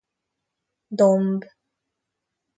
Domb